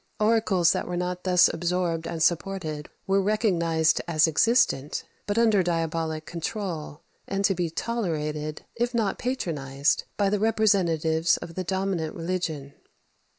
Oracles that were not thus absorbed and supported were recognized as existent, but under diabolic control, and to be tolerated, if not patronized, by the representatives of the dominant religion.